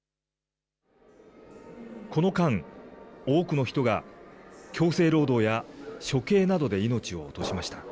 この間、多くの人が強制労働や処刑などで命を落としました。